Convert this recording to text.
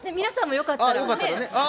皆さんもよかったらね。